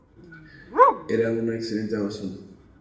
Era una excelente amazona.